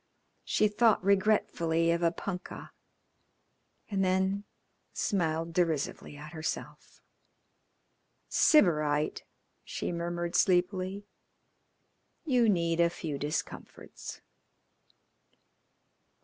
She thought regretfully of a punkah, and then smiled derisively at herself. "Sybarite!" she murmured sleepily. "You need a few discomforts."